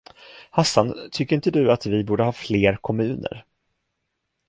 Hassan, tycker inte du att vi borde ha fler kommuner?